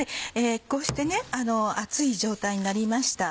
こうしてね熱い状態になりました。